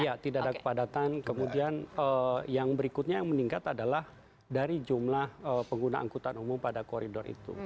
iya tidak ada kepadatan kemudian yang berikutnya yang meningkat adalah dari jumlah pengguna angkutan umum pada koridor itu